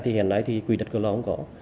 thì hiện nay thì quỹ đất của lò không có